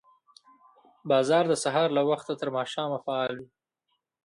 بازار د سهار له وخته تر ماښامه فعال وي